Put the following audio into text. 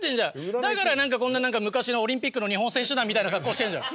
だから何かこんな昔のオリンピックの日本選手団みたいな格好してんじゃん。